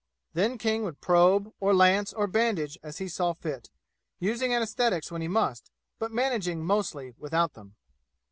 Then King would probe or lance or bandage as he saw fit, using anaesthetics when he must, but managing mostly without them.